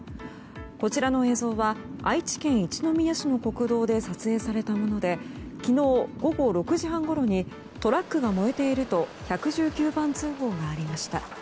こちらの映像は愛知県一宮市の国道で撮影されたもので昨日午後６時半ごろにトラックが燃えていると１１９番通報がありました。